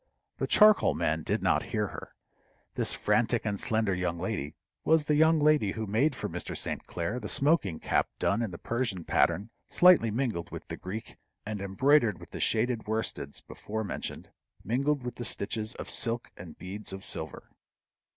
The charcoal man did not hear her. This frantic and slender young lady was the young lady who made for Mr. St. Clair the smoking cap done in the Persian pattern slightly mingled with the Greek, and embroidered with the shaded worsteds before mentioned, mingled with stitches of silk and beads of silver.